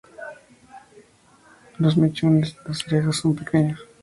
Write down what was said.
Los mechones en las orejas son pequeños.